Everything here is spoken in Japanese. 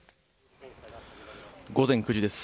午前９時です。